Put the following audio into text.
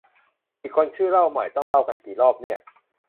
อีกคนชื่อเล่าใหม่ ต้องเล่ากันกี่รอบเนี่ย